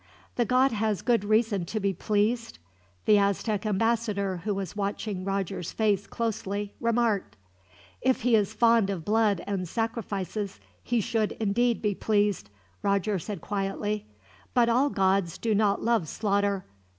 "The god has good reason to be pleased?" the Aztec ambassador, who was watching Roger's face closely, remarked. "If he is fond of blood and sacrifices, he should indeed be pleased," Roger said quietly; "but all gods do not love slaughter.